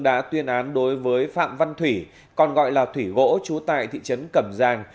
đã tuyên án đối với phạm văn thủy còn gọi là thủy gỗ trú tại thị trấn cẩm giang